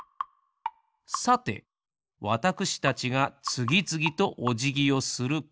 さてわたくしたちがつぎつぎとおじぎをするこのはこ。